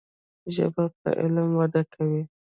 ژبه په علم وده کوي.